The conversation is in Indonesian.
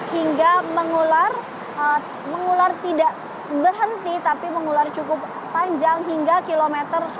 hingga mengular mengular tidak berhenti tapi mengular cukup panjang hingga km sembilan